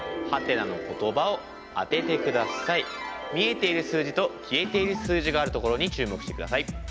見えている数字と消えている数字があるところに注目してください。